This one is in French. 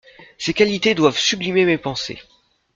Ses qualités doivent sublimer mes pensées.